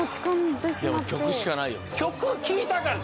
いやもう曲しかないよ。